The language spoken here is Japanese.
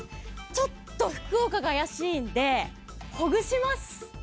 ちょっと福岡が怪しいのでほぐしますね。